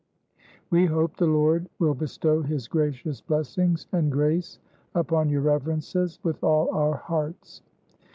We hope the Lord will bestow his gracious blessings and grace, upon your Reverences, with all our hearts.